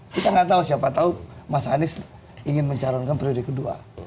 kita nggak tahu siapa tahu mas anies ingin mencalonkan periode kedua